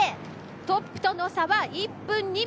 トップとの差は１分２秒。